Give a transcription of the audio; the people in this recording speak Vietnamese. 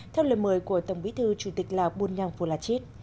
theo lời mời của tổng bí thư chủ tịch lào bùn nhăng vô la chít